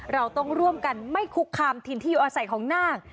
เราต้องร่วมกันไม่คุกคามถิ่นที่อยู่อาศัยของนาค